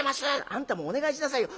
あんたもお願いしなさいよ」。